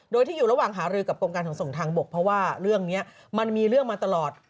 โดยที่อยู่ระหว่างหารือกับกรมการขนส่งทางบกเพราะว่าเรื่องนี้มันมีเรื่องมาตลอด